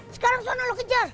sekarang sana lu kejar